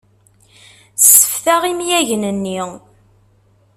Sseftaɣ imyagen-nni.